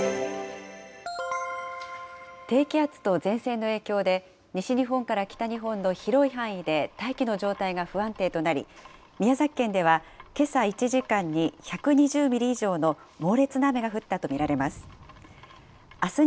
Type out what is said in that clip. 低気圧と前線の影響で、西日本から北日本の広い範囲で大気の状態が不安定となり、宮崎県ではけさ１時間に１２０ミリ以上の猛烈な雨が降ったと見られます。